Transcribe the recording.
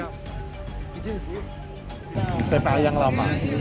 tpa yang lama